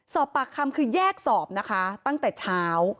สอบปากคำคือแยกสอบนะคะตั้งแต่เช้า